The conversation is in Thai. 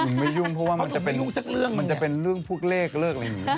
หนูไม่ยุ่งเพราะว่ามันจะเป็นมันจะเป็นเรื่องพุกเลขเลิกอะไรอย่างนี้